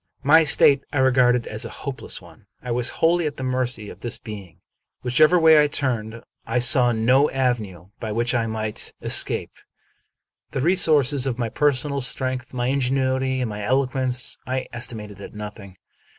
My state I regarded as a hopeless one. I was wholly at the mercy of this being. Whichever way I turned my eyes, I saw no avenue by which I might 261 American Mystery Stories escape. The resources of my personal strength, my in genuity, and my eloquence, I estimated at nothing.